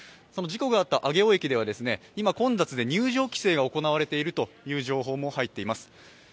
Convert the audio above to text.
その事故があった上尾駅では今、混雑で入場規制が行われているという情報も入っています。